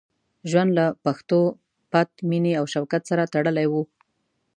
ژوند له پښتو، پت، مینې او شوکت سره تړلی وو.